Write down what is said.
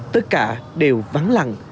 tất cả đều vắng lặng